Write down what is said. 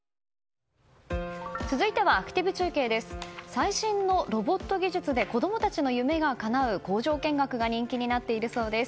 最新のロボット技術で子供たちの夢がかなう工場見学が人気になっているそうです。